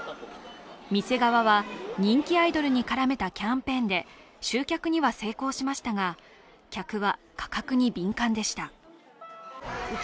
店側は人気アイドルに絡めたキャンペーンで集客には成功しましたが客は価格に敏感でした。